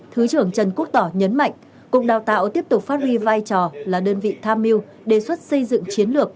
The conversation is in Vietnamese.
thứ trưởng trần quốc tỏ nhấn mạnh cục đào tạo tiếp tục phát huy vai trò là đơn vị tham mưu đề xuất xây dựng chiến lược